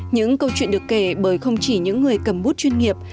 những câu chuyện được kể bởi không chỉ những người cầm bút chuyên nghiệp